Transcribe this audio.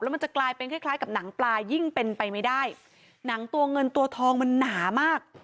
มันจะกลายเป็นคล้ายคล้ายกับหนังปลายิ่งเป็นไปไม่ได้หนังตัวเงินตัวทองมันหนามาก